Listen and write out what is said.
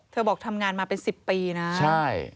บอกทำงานมาเป็น๑๐ปีนะใช่